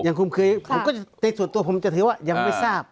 ยังคุ้มเคลือแต่ส่วนตัวผมจะถือว่ายังไม่ทราบ